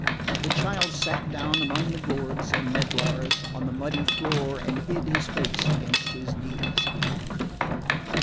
The child sat down among the gourds and medlars on the muddy floor and hid his face against his knees.